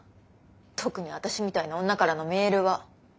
特に私みたいな女からのメールは。